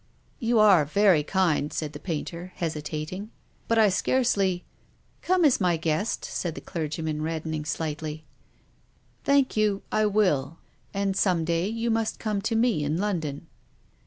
" You are very kind," said the painter, hesitat ing. " But I scarcely —"" Come as my guest," said the clergyman, red dening slightly. " Thank you, I will. And some day you must come to me in London."